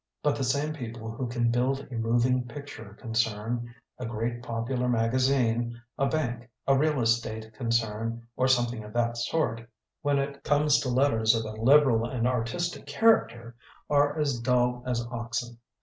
But the same people who can build a moving picture concern, a great popu lar magazine, a bank, a real estate con cern or something of that sort, when it comes to letters of a liberal and artis tic character, are as dull as oxen.